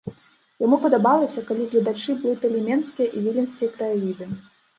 Яму падабалася, калі гледачы блыталі менскія і віленскія краявіды.